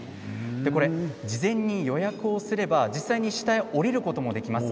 事前に予約をすれば実際に下へ下りることもできます。